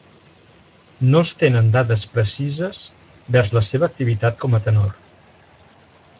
No es tenen dades precises vers la seva activitat com a tenor.